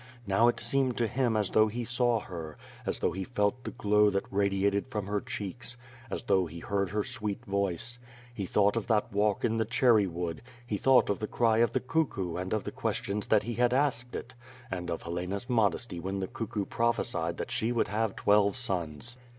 Now it seemed to him as thouprh he saw her, as though he felt the glow that radiated from her cheeks, as though he heard her sweet voice. He thought of that walk in the cherry wood, he thought of the cry of the cuckoo and of the questions that he had asked it; and of Helena^s modesty when the cuckoo WITH FIRE AND SWORD. 361 prophecied that she would have twelve sons.